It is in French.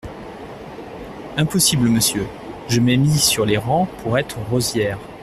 Impossible, monsieur, je m’ai mis sur les rangs pour être rosière.